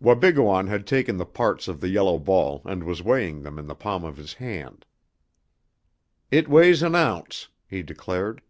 Wabigoon had taken the parts of the yellow ball and was weighing them in the palm of his hand. "It weighs an ounce," he declared.